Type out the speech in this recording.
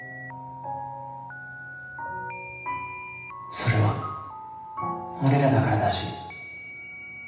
それは俺らだからだし。